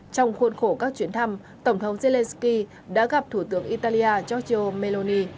trong khuôn khổ các chuyến thăm tổng thống zelensky đã gặp thủ tướng italia giorgio meloni